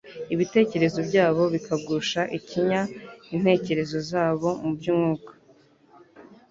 ibitekerezo byabo bikagusha ikinya intekerezo zabo mu by’umwuka